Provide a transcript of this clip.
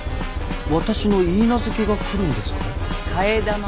私の許嫁が来るんですかい？